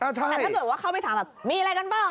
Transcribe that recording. แต่ถ้าเกิดว่าเข้าไปถามแบบมีอะไรกันเปล่า